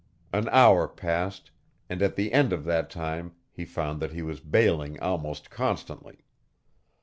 An hour passed, and at the end of that time he found that he was bailing almost constantly.